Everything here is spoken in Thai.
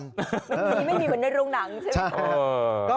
ยังไม่มีเหมือนในรุ่งหนังใช่ไหม